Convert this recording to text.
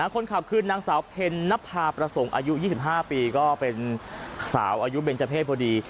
คนขับคือนางสาวเพ็ญนภาประสงค์อายุ๒๕ปีก็เป็นสาวอายุเบนเจอร์เพศพอดี